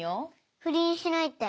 不倫しないって。